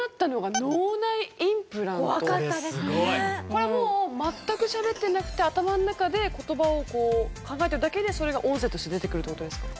これはもう全くしゃべってなくて頭の中で言葉をこう考えてるだけでそれが音声として出てくるっていう事ですか？